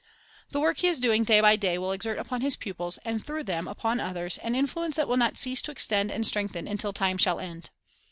The work he is doing day by day will exert upon his pupils, and through them upon others, an influence that will not cease to extend and strengthen until time shall end.